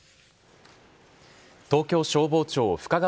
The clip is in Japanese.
東京消防庁深川